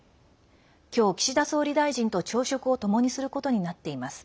今日、岸田総理大臣と朝食を共にすることになっています。